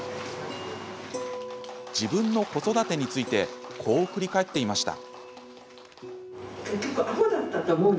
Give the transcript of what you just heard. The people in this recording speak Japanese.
自分の子育てについてこう振り返っていました。